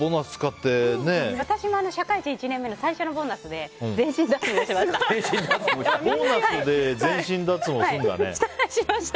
私も社会人１年目の最初のボーナスで全身脱毛しました。